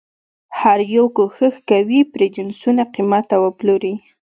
هر یو کوښښ کوي پرې جنسونه قیمته وپلوري.